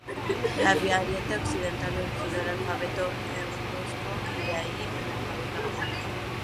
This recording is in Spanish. La variante occidental originó el alfabeto etrusco y de ahí el alfabeto romano.